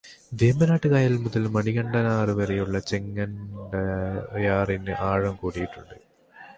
വേമ്പനാട്ട് കായല് മുതല് മണികണ്ഠനാറ് വരെയുള്ള ചെങ്ങണ്ടയാറിന്റെ ആഴം കൂട്ടിയിട്ടുണ്ട്.